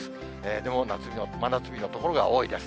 でも、真夏日の所が多いです。